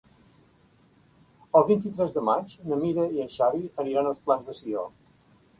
El vint-i-tres de maig na Mira i en Xavi aniran als Plans de Sió.